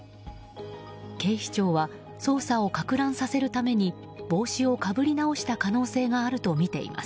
警視庁は捜査をかく乱させるために帽子をかぶり直した可能性があるとみています。